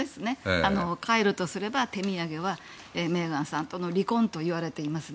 帰るとすれば手土産はメーガンさんとの離婚と言われていますね。